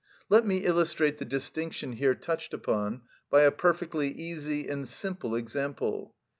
Let me illustrate the distinction here touched upon by a perfectly easy and simple example.